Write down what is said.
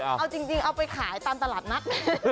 เอาจริงเอาไปขายตามตลาดนัด